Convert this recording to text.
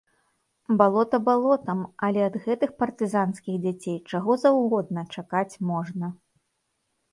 Балота балотам, але ад гэтых партызанскіх дзяцей чаго заўгодна чакаць можна!